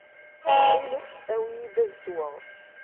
Ttxil-k, awi-yi-d ad sweɣ.